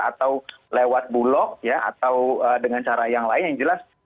atau lewat bulog ya atau dengan cara yang lain yang jelas